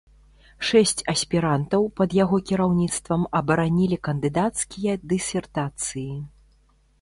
Шэсць аспірантаў пад яго кіраўніцтвам абаранілі кандыдацкія дысертацыі.